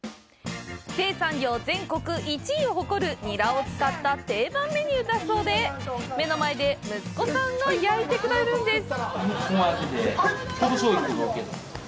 生産量全国１位を誇るニラを使った定番メニューだそうで目の前で息子さんが焼いてくれるんです。